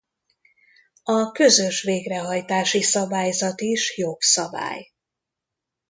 A Közös Végrehajtási Szabályzat is jogszabály.